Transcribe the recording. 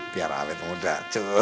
biar awet muda